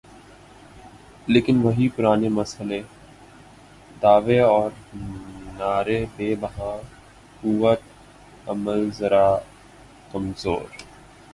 لیکن وہی پرانا مسئلہ، دعوے اور نعرے بے بہا، قوت عمل ذرا کمزور۔